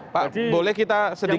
pak boleh kita sedikit